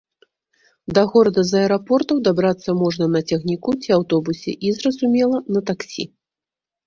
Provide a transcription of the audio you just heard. Да горада з аэрапортаў дабрацца можна на цягніку ці аўтобусе і, зразумела, на таксі.